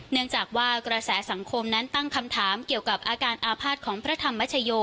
เนื่องจากว่ากระแสสังคมนั้นตั้งคำถามเกี่ยวกับอาการอาภาษณ์ของพระธรรมชโย